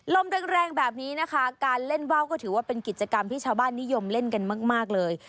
ลมแรงแบบนี้นะคะการเล่นว่าวก็ถือว่าเป็นกิจกรรมที่ชาวบ้านนิยมเล่นกันมากเลย